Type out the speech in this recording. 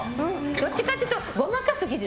どっちかっていうとごまかす技術。